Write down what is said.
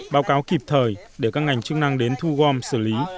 báo cáo kịp thời để các ngành chức năng đến thu gom xử lý